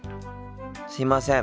すいません。